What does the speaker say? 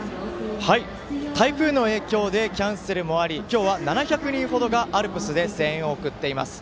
台風の影響でキャンセルもあり今日は７００人ほどがアルプスで声援を送っています。